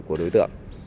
của đối tượng